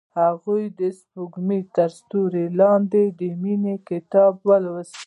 هغې د سپوږمۍ تر سیوري لاندې د مینې کتاب ولوست.